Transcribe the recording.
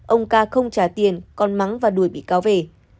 ông ca không trả tiền còn mắng và đuổi bị cáo về